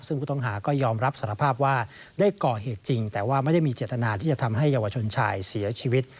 ซึ่งผู้ต้องหาก็ยอมรับสารภาพว่าได้ก่อเหตุจริงแต่ว่าไม่ได้มีเจตนาที่จะทำให้เยาวชนชายเสียชีวิต